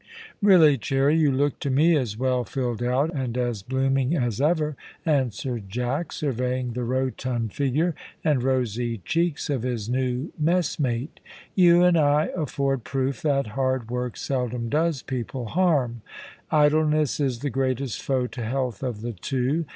"Really, Cherry, you look to me as well filled out and as blooming as ever," answered Jack, surveying the rotund figure and rosy cheeks of his new messmate; "you and I afford proof that hard work seldom does people harm. Idleness is the greatest foe to health of the two.